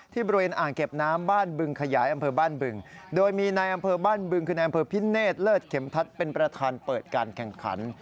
ที่บริเวณอ่างเก็บน้ำบ้านบึงขยายอัมเภอบ้านบึง